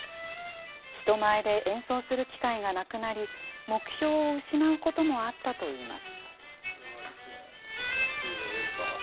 人前で演奏する機会がなくなり、目標を失うこともあったといいます。